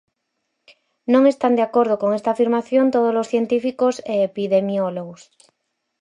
Non están de acordo con esta afirmación todos os científicos e epidemiólogos.